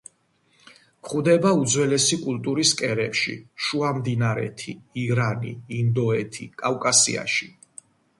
გვხვდება უძველესი კულტურის კერებში: შუამდინარეთი, ირანი, ინდოეთი, კავკასიაში.